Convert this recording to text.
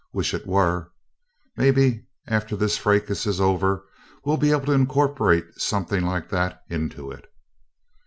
Wish it were maybe after this fracas is over we'll be able to incorporate something like that into it."